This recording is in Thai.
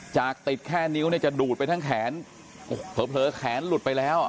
จากติดแค่นิ้วเนี่ยจะดูดไปทั้งแขนโอ้โหเผลอแขนหลุดไปแล้ว